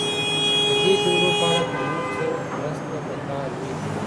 د دې جملو په اړه که نور څه مرسته پکار وي؟